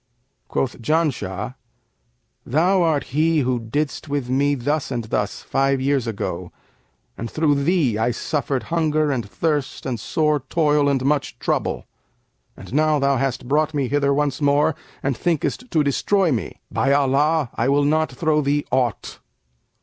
Quoth Janshah, 'Thou art he who didst with me thus and thus five years ago, and through thee I suffered hunger and thirst and sore toil and much trouble; and now thou hast brought me hither once more and thinkest to destroy me. By Allah, I will not throw thee aught!'